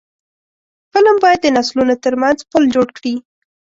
فلم باید د نسلونو ترمنځ پل جوړ کړي